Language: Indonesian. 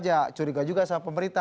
ya curiga juga sama pemerintah